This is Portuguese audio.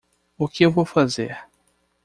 O que eu vou fazer?